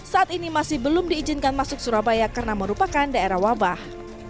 saat ini masih belum diizinkan masuk surabaya karena merupakan daerah wabah